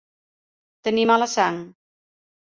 Tenir mala sang.